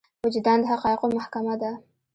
وجدان د حقايقو محکمه ده.